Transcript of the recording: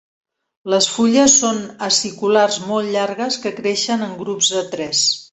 Les fulles són aciculars molt llargues que creixen en grups de tres.